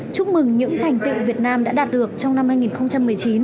chúc mừng những thành tiệu việt nam đã đạt được trong năm hai nghìn một mươi chín